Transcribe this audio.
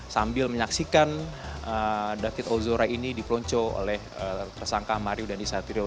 sambil menyaksikan david hozora ini dipelonco oleh tersangka mario dan isatrio